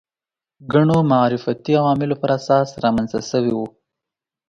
ګڼو معرفتي عواملو پر اساس رامنځته شوي وو